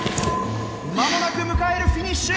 まもなく迎えるフィニッシュ！